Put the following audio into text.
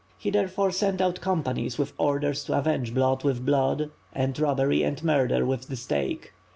He therefore sent out companies with orders to avenge blood with blood, and robbery and murder with the stake.